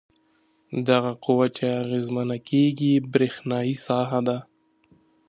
دغه قوه چې اغیزمنه کیږي برېښنايي ساحه ده.